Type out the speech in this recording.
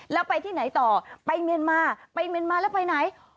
แล้วไปที่ไหนต่อไปเมียนมาไปเมียนมาแล้วไปไหน